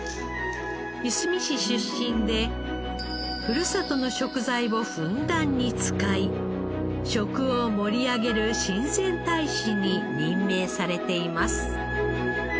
いすみ市出身でふるさとの食材をふんだんに使い食を盛り上げる親善大使に任命されています。